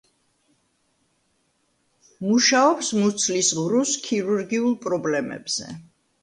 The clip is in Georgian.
მუშაობს მუცლის ღრუს ქირურგიულ პრობლემებზე.